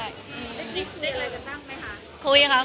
ได้คุยอะไรกันบ้างไหมคะ